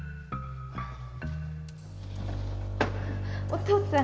お父っつぁん